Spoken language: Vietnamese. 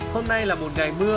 hôm nay là một ngày mùa xuân